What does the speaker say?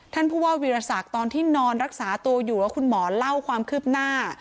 ท่านผู้ว่าวีรศักดิ์ตอนที่นอนรักษาตัวอยู่แล้วคุณหมอเล่าความคืบหน้า